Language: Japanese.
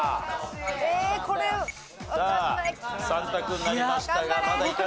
さあ３択になりましたがまだいかない。